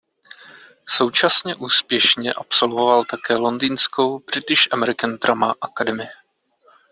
Současně úspěšně absolvoval také londýnskou British American Drama Academy.